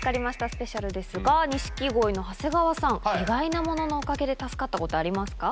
スペシャルですが、錦鯉の長谷川さん、意外なもののおかげで助かったことありますか？